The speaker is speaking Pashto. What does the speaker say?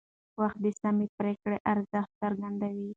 وخت د سمې پرېکړې ارزښت څرګندوي